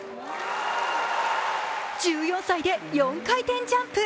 １４歳で４回転ジャンプ。